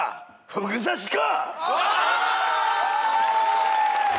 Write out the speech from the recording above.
「ふぐさし」か！